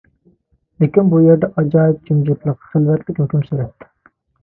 لېكىن، بۇ يەردە ئاجايىپ جىمجىتلىق، خىلۋەتلىك ھۆكۈم سۈرەتتى.